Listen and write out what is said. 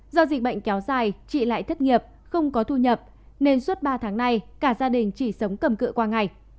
do dịch bệnh kéo dài chị lại thất nghiệp không có thu nhập nên suốt ba tháng nay cả gia đình chỉ sống cầm cự qua ngày